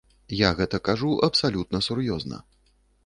Я гэта кажу абсалютна сур'ёзна.